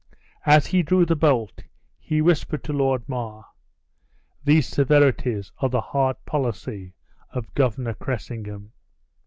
As he drew the bolt, he whispered to Lord Mar, "These severities are the hard policy of Governor Cressingham."